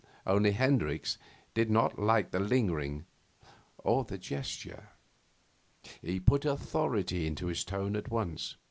Only Hendricks did not like the lingering or the gesture. He put authority into his tone at once.